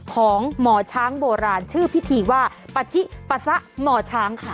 ของหมอช้างโบราณชื่อพิธีว่าปาชิปะซะหมอช้างค่ะ